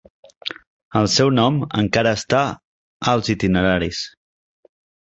El seu nom encara està als itineraris.